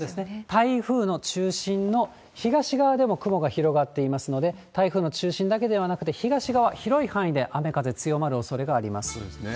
台風の中心の東側でも雲が広がっていますので、台風の中心だけではなくて東側、広い範囲で雨、そうですね。